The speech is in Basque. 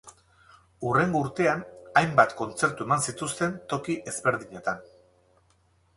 Hurrengo urtean hainbat kontzertu eman zituzten toki ezberdinetan.